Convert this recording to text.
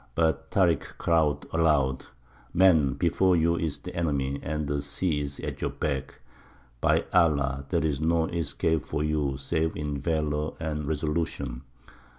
But Tārik cried aloud, "Men, before you is the enemy, and the sea is at your backs. By Allah, there is no escape for you save in valour and resolution."